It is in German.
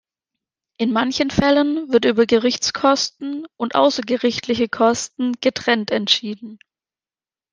In manchen Fällen wird über Gerichtskosten und außergerichtliche Kosten getrennt entschieden.